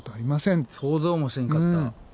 想像もせんかった。